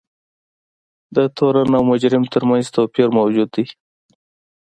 د تورن او مجرم ترمنځ توپیر موجود دی.